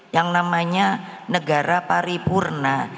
yang namanya negara paripurna